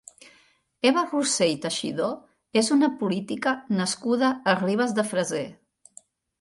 Eva Rossell Teixidó és una política nascuda a Ribes de Freser.